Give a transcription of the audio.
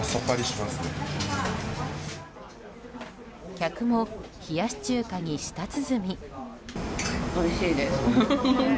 客も冷やし中華に舌鼓。